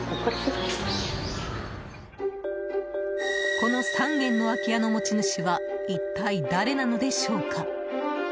この３軒の空き家の持ち主は一体、誰なのでしょうか。